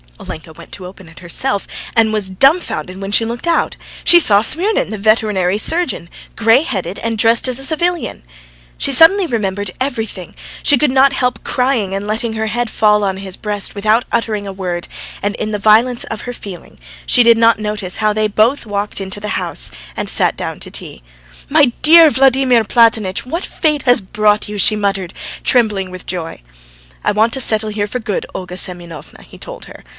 Olenka went to open it herself and was dumbfounded when she looked out: she saw Smirnin, the veterinary surgeon, grey headed, and dressed as a civilian. She suddenly remembered everything. She could not help crying and letting her head fall on his breast without uttering a word, and in the violence of her feeling she did not notice how they both walked into the house and sat down to tea. "My dear Vladimir Platonitch! What fate has brought you?" she muttered, trembling with joy. "I want to settle here for good, Olga Semyonovna," he told her.